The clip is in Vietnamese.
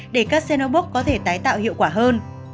để các xenobox có thể tái tạo hiệu quả hơn